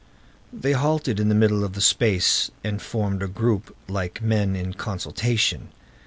They halted in the middle of the space and formed a group, like men in consultation.